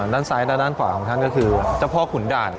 ด้านซ้ายและด้านขวาของท่านก็คือเจ้าพ่อขุนด่าน